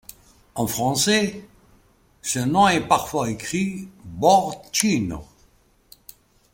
En français, ce nom est parfois écrit Börte Tchino.